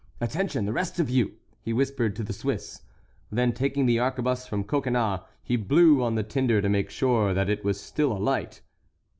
"Attention, the rest of you!" he whispered to the Swiss. Then taking the arquebuse from Coconnas he blew on the tinder to make sure that it was still alight.